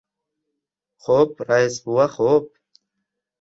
— Xo‘p, rais bova, xo‘p.